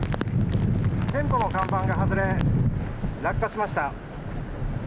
店舗の看板が外れ、落下しました。